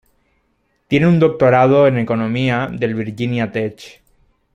Tiene un doctorado en economía del Virginia Tech.